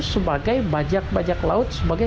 sebagai bajak bajak laut